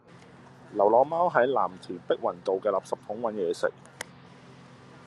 流浪貓喺藍田碧雲道嘅垃圾桶搵野食